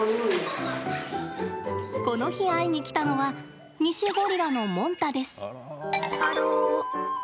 この日、会いに来たのはニシゴリラのモンタです。